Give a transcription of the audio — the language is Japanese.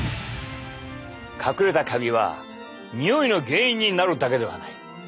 隠れたカビはにおいの原因になるだけではない。